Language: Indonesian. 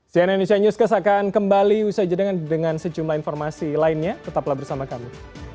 cnn indonesia newscast akan kembali usai jeda dengan sejumlah informasi lainnya tetaplah bersama kami